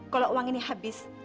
kalau uang ini habis